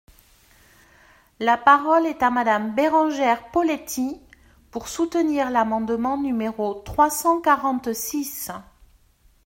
La parole est à Madame Bérengère Poletti, pour soutenir l’amendement numéro trois cent quarante-six.